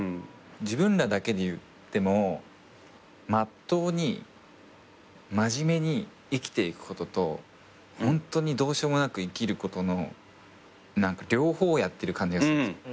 自分らだけで言ってもまっとうに真面目に生きていくこととホントにどうしようもなく生きることの両方をやってる感じがするんすよ。